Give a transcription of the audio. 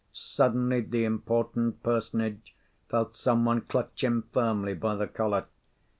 Suddenly the important personage felt some one clutch him firmly by the collar.